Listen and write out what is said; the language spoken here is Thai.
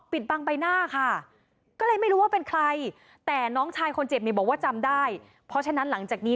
บังใบหน้าค่ะก็เลยไม่รู้ว่าเป็นใครแต่น้องชายคนเจ็บเนี่ยบอกว่าจำได้เพราะฉะนั้นหลังจากนี้